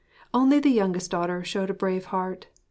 Only the youngest daughter showed a brave heart.